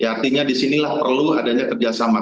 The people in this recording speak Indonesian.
artinya di sinilah perlu adanya kerja sama